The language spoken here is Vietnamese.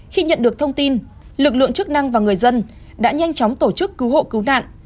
khi nhận được thông tin lực lượng chức năng và người dân đã nhanh chóng tổ chức cứu hộ cứu nạn